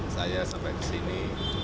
saya sampai kesini